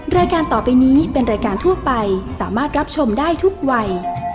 รายการต่อไปนี้เป็นรายการทั่วไปสามารถรับชมได้ทุกวัย